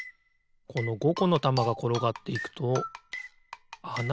この５このたまがころがっていくとあながあるな。